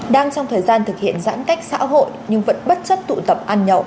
đang trong thời gian thực hiện giãn cách xã hội nhưng vẫn bất chấp tụ tập ăn nhậu